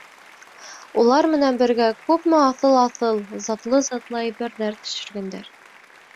Улар менән бергә күпме аҫыл-аҫыл, затлы-затлы әйберҙәр төшөргәндәр!